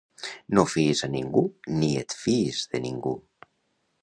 No fiïs a ningú ni et fiïs de ningú.